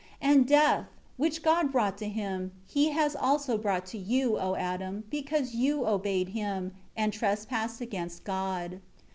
And death, which God brought to him, he has also brought to you, O Adam, because you obeyed him, and trespassed against God."